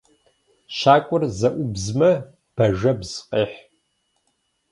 Щакӏуэр зэӏубзмэ, бажэбз къехь.